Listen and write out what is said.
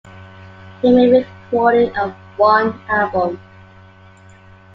They made a recording of one album.